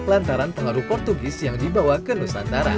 lantaran pengaruh portugis yang dibawa ke nusantara